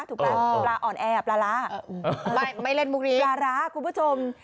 ถูกป่ะปลาอ่อนแอร์ปลาล้าคุณผู้ชมไม่เล่นมุกนี้